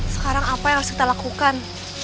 sekarang apa yang harus kita lakukan